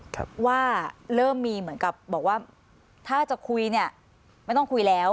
ครับว่าเริ่มมีเหมือนกับบอกว่าถ้าจะคุยเนี่ยไม่ต้องคุยแล้ว